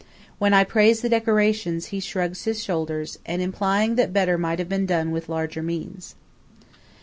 When I praise the decorations, he shrugs his shoulders, as implying that better might have been done with larger means.